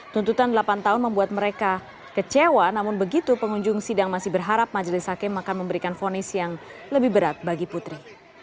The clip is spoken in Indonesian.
tuntutan delapan tahun membuat mereka kecewa namun begitu pengunjung sidang masih berharap majelis hakim akan memberikan vonis yang lebih berat bagi putri